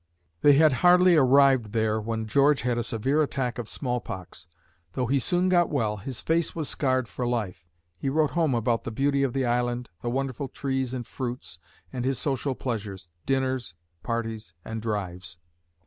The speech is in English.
They had hardly arrived there when George had a severe attack of smallpox; though he soon got well, his face was scarred for life. He wrote home about the beauty of the island, the wonderful trees and fruits, and his social pleasures dinners, parties and drives.